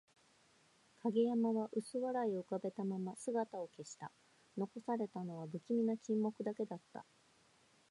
影山は薄笑いを浮かべたまま姿を消した。残されたのは、不気味な沈黙だけだった。